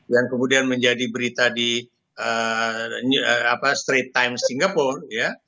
yang kemudian menjadi berita di street times singapura ya